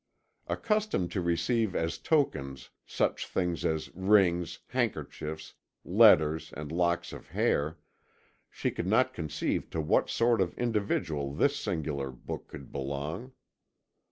Accustomed to receive as tokens such things as rings, handkerchiefs, letters, and locks of hair, she could not conceive to what sort of individual this singular book could belong.